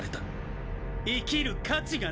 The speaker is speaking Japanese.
生きる価値が無いと！